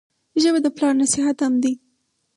ژبه د پلار نصیحت هم دی